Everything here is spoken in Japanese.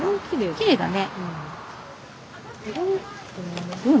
きれいだね。